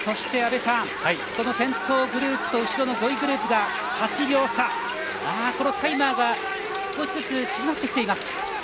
阿部さん、先頭グループと後ろの５位グループが８秒差と、タイムが少しずつ縮まっています。